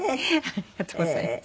ありがとうございます。